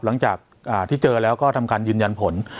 หลังจากที่เจอแล้วก็ทำการยืนยันผล